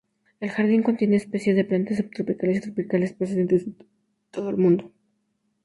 El jardín contiene especies de plantas subtropicales y tropicales procedentes de todo el mundo.